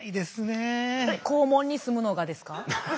えっ肛門にすむのがですか？